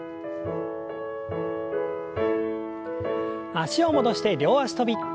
脚を戻して両脚跳び。